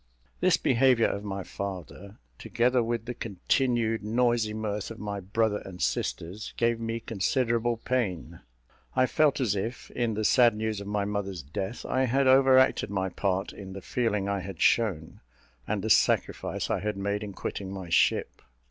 This behaviour of my father, together with the continued noisy mirth of my brother and sisters, gave me considerable pain. I felt as if, in the sad news of my mother's death, I had over acted my part in the feeling I had shown, and the sacrifice I had made in quitting my ship.